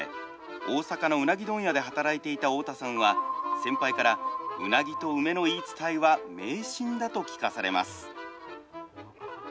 大阪のうなぎ問屋で働いていた太田さんは先輩からうなぎと梅の言い伝えは迷信だと聞かされます。